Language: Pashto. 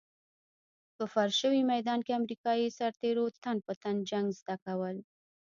په فرش شوي ميدان کې امريکايي سرتېرو تن په تن جنګ زده کول.